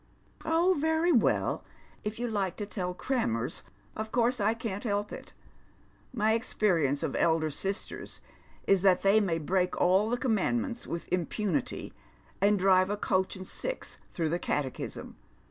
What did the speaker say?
" Oh, very well, if you like to tell crammers, of course I can't help it. My experience of elder sisters is that they may break all the commandments with impunity, and drive a coach and sis through the Catechism.